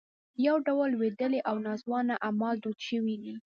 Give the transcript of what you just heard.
یو ډول لوېدلي او ناځوانه اعمال دود شوي دي.